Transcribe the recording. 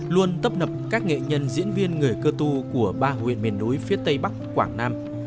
luôn tấp nập các nghệ nhân diễn viên người cơ tu của ba huyện miền núi phía tây bắc quảng nam